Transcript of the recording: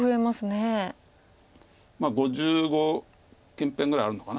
５５近辺ぐらいあるのかな。